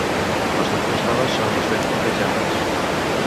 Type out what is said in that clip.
Les millors faves són les ben porquejades.